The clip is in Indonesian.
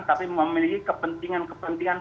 tapi memiliki kepentingan kepentingan